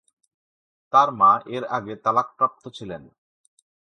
তার মা এর আগে তালাকপ্রাপ্ত ছিলেন।